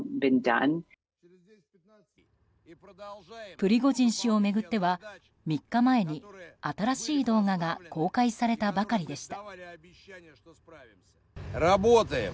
プリゴジン氏を巡っては３日前に新しい動画が公開されたばかりでした。